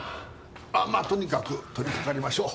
あっまあとにかく取りかかりましょう。